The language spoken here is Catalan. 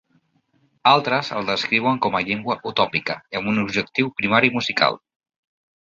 Altres el descriuen com a llengua utòpica i amb un objectiu primari musical.